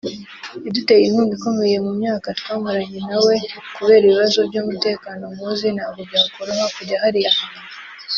yaduteye inkunga ikomeye mu myaka twamaranye na we […] Kubera ibibazo by’umutekano muzi ntabwo byakoroha kujya hariya hantu